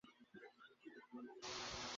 আমার কাজ শেষ।